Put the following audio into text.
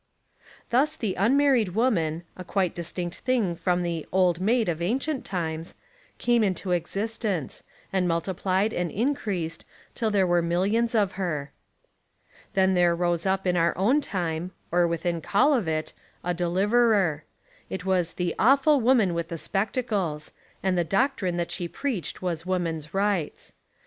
Thus the unmarried woman, a quite distinct thing from the "old maid" of ancient times, came into existence, and multiplied and in creased till there were millions of her. Then there rose up in our own time, or with in call of it, a deliverer. It was the Awful Woman with the Spectacles, and the doctrine that she preached was Woman's Rights.